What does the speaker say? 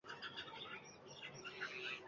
Moddiy va ijtimoiy himoya choralari taqdim etiladi.